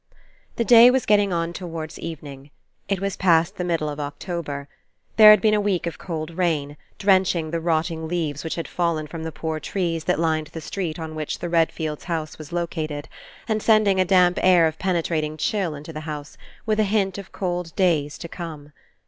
The day was getting on toward evening. It was past the middle of October. There had been a week of cold rain, drenching the rotting leaves which had fallen from the poor trees that lined the street on which the Redfields' house was located, and sending a damp air of penetrating chill into the house, with a hint of cold days to come.